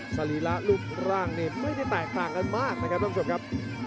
สรีระรูปร่างนี่ไม่ได้แตกต่างกันมากนะครับท่านผู้ชมครับ